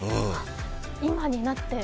今になって？